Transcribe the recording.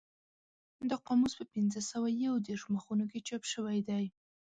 دا قاموس په پینځه سوه یو دېرش مخونو کې چاپ شوی دی.